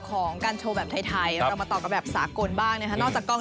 ของการโชว์แบบไทยเรามาต่อกันแบบสากลบ้างนะคะนอกจากกล้อง